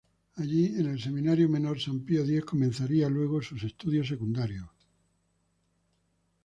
Allí, en el Seminario Menor San Pío X comenzaría luego sus estudios secundarios.